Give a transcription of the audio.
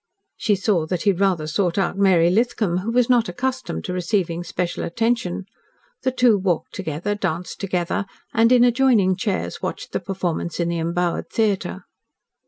She saw that he rather sought out Mary Lithcom, who was not accustomed to receiving special attention. The two walked together, danced together, and in adjoining chairs watched the performance in the embowered theatre.